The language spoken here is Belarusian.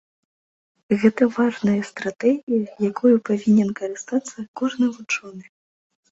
Гэта важная стратэгія, якой павінен карыстацца кожны вучоны.